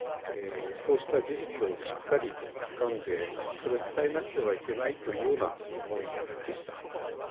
そうした事実をしっかりつかんでそれを伝えなくてはいけないというような思いでした。